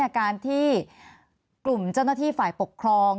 การที่กลุ่มเจ้าหน้าที่ฝ่ายปกครอง